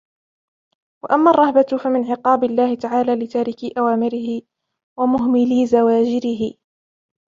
وَأَمَّا الرَّهْبَةُ فَمِنْ عِقَابِ اللَّهِ تَعَالَى لِتَارِكِي أَوَامِرِهِ ، وَمُهْمَلِي زَوَاجِرِهِ